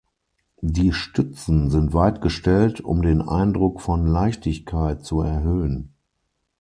Die Stützen sind weit gestellt, um den Eindruck von Leichtigkeit zu erhöhen.